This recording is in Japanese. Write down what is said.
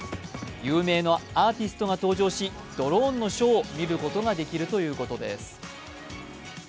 有名なアーティストが登場し、ドローンのショーを見ることができるということです。